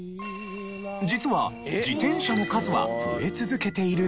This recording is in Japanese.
実は自転車の数は増え続けているという。